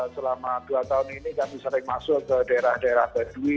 selama dua tahun ini kami sering masuk ke daerah daerah baduy